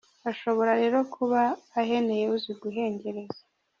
Ashobora rero kuba aheneye uzi guhengeza!